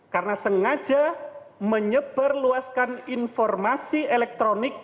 karena sengaja menyeberluaskan informasi elektronik